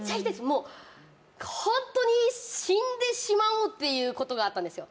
もうホントに死んでしまおうっていうことがあったんですよ